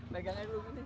tunggu sebentar dulu